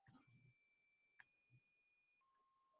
Demak, bu gal ham mum tishlab qolish yaramaydi.